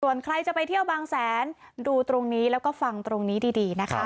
ส่วนใครจะไปเที่ยวบางแสนดูตรงนี้แล้วก็ฟังตรงนี้ดีนะคะ